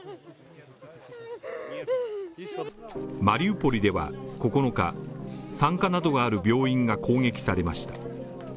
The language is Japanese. マリウポリでは９日、産科などがある病院が攻撃されました。